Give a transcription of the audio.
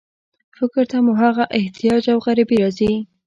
فکر ته مو هغه احتیاج او غریبي راځي.